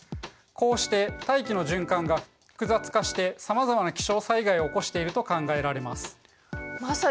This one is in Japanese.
こうして大気の循環が複雑化してさまざまな気象災害を起こしていると考えられます。